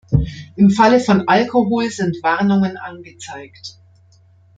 Im Falle von Alkohol sind Warnungen angezeigt.